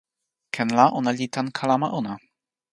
ken la ona li tan kalama ona?